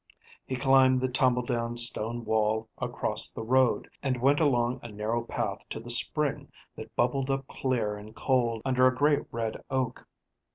He climbed the tumble down stone wall across the road, and went along a narrow path to the spring that bubbled up clear and cold under a great red oak.